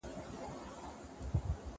سي خوراک د توتکیو د مرغانو